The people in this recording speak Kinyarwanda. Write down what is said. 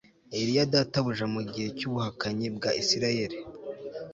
Eliya databuja Mu gihe cyubuhakanyi bwa Isirayeli